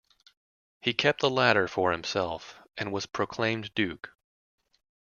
He kept the latter for himself and was proclaimed duke.